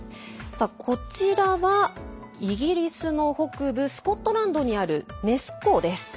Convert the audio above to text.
こちらはイギリスの北部スコットランドにあるネス湖です。